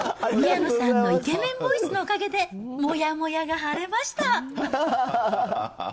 宮野さんのイケメンボイスのおかげで、もやもやが晴れました。